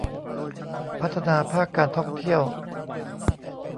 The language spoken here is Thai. พัฒนาภาคการท่องเที่ยว